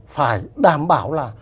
phải đảm bảo là